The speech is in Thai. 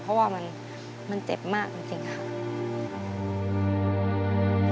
เพราะว่ามันเจ็บมากจริงค่ะ